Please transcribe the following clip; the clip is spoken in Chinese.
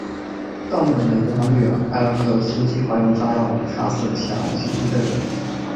但本的养女艾莉克斯计划用炸药杀死前来偷袭的人。